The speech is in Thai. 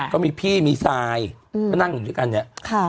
ก็มีพี่มีซายก็นั่งอยู่ด้วยกันเนี่ย